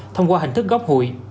thông qua hình thức góp hội